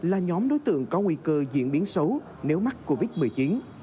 là nhóm đối tượng có nguy cơ diễn biến xấu nếu mắc covid một mươi chín